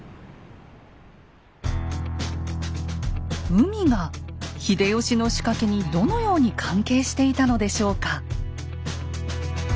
海が秀吉の仕掛けにどのように関係していたのでしょうか。